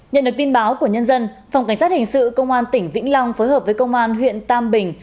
nhận được tin báo của nhân dân phòng cảnh sát hình sự công an tỉnh vĩnh long phối hợp với công an huyện tam bình